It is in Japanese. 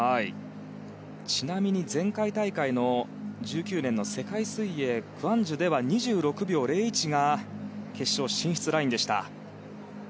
ちなみに前回大会の１９年の世界水泳クアンジュでは２６秒０１が決勝進出ラインでした。